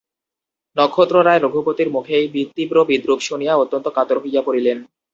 নক্ষত্ররায় রঘুপতির মুখে এই তীব্র বিদ্রূপ শুনিয়া অত্যন্ত কাতর হইয়া পড়িলেন।